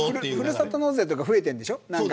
ふるさと納税とか増えてるんでしょ。